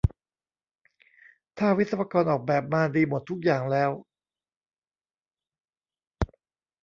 ถ้าวิศวกรออกแบบมาดีหมดทุกอย่างแล้ว